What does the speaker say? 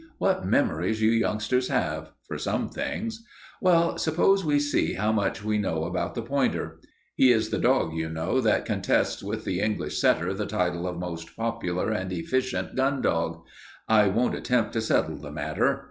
"What memories you youngsters have for some things. Well, suppose we see how much we know about the pointer. He is the dog, you know, that contests with the English setter the title of most popular and efficient gun dog. I won't attempt to settle the matter.